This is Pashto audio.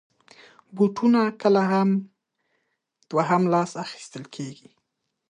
بوټونه کله دوهم لاس اخېستل کېږي.